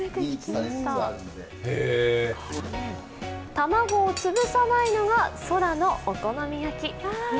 卵をつぶさないのが空のお好み焼き。